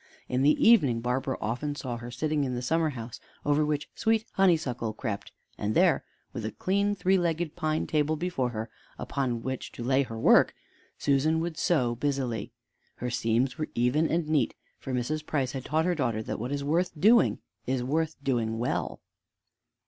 In the evening Barbara often saw her sitting in the summer house over which sweet honeysuckle crept, and there, with a clean three legged pine table before her upon which to lay her work, Susan would sew busily. Her seams were even and neat, for Mrs. Price had taught her daughter that what is worth doing is worth doing well.